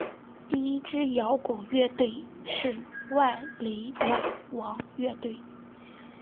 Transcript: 第一支摇滚乐队是万李马王乐队。